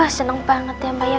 ah seneng banget ya mbak ya